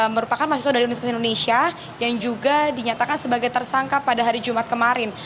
merupakan mahasiswa dari universitas indonesia yang juga dinyatakan sebagai tersangka pada hari jumat kemarin